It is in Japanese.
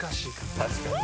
確かに。